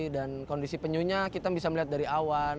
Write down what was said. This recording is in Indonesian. dan kondisi penyunya kita bisa melihat dari awan